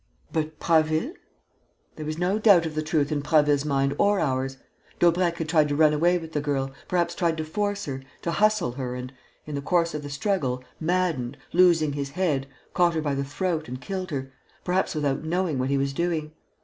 "But Prasville...." "There was no doubt of the truth in Prasville's mind or ours. Daubrecq had tried to run away with the girl, perhaps tried to force her, to hustle her and, in the course of the struggle, maddened, losing his head, caught her by the throat and killed her, perhaps without knowing what he was doing.